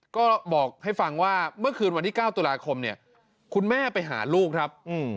ก็บอกให้ฟังว่าเมื่อคืนวันที่๙ตุลาคมเนี่ยคุณแม่ไปหาลูกครับ